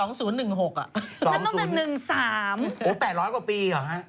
นั้นต้องเป็น๑๓โอ้๘๐๐กว่าปีหรอฮะ